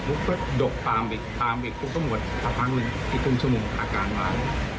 พุ๊บก็ดกตามอีกตามอีกพุ๊บก็หมดฟาร์มมันอีกทุ่มชั่วโมงอาการล้า